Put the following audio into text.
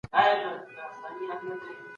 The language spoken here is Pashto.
هغه نظريې چي نژادي دي سمې نه دي.